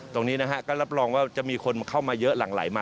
ตรงนี้นะฮะก็รับรองว่าจะมีคนเข้ามาเยอะหลั่งไหลมา